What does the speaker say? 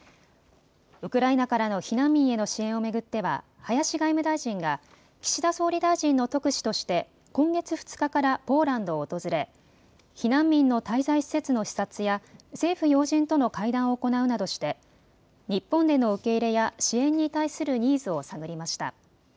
ウクライナからの避難民への支援をめぐっては林外務大臣が岸田総理大臣の特使として今月２日からポーランドを訪れ避難民の滞在施設の視察や政府要人との会談を行うなどして日本への受け入れや支援に対するニーズを探りました。